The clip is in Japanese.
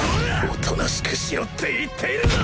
おとなしくしろって言っているんだ！